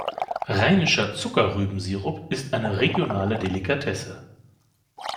Rheinischer Zuckerrübensirup ist eine regionale Delikatesse.